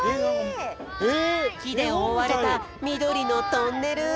きでおおわれたみどりのトンネル。